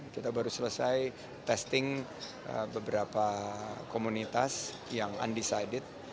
kita baru selesai testing beberapa komunitas yang undecided